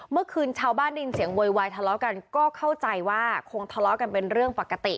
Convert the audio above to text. เมื่อคืนชาวบ้านได้ยินเสียงโวยวายทะเลาะกันก็เข้าใจว่าคงทะเลาะกันเป็นเรื่องปกติ